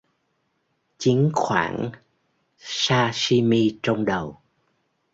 Chính khoảng Sashimi trong đầu